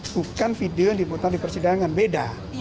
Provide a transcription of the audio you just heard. bukan video yang diputar di persidangan beda